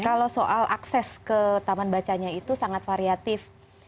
kalau soal akses ke taman bacanya itu sangat variatif